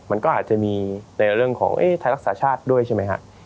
มันก็อาจจะมีในเรื่องของไทยรักษาชาติด้วยใช่ไหมฮะ